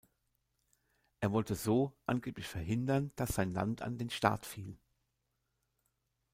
Er wollte so angeblich verhindern, dass sein Land an den Staat fiel.